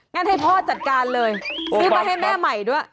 งั้นให้พ่อจัดการเลยซื้อมาให้แม่ใหม่ด้วย